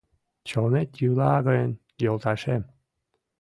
Чонет йӱла гын, йолташем